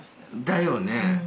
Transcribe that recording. だよね。